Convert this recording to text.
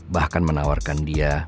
bahkan menawarkan dia